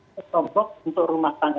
desktop untuk rumah tangga